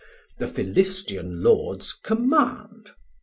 the Philistian Lords command.